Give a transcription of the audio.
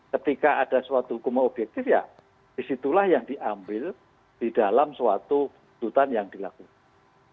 ketika ada suatu hukuman objektif ya disitulah yang diambil di dalam suatu tuntutan yang dilakukan